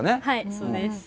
はいそうです。